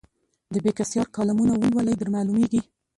د بېکسیار کالمونه ولولئ درمعلومېږي.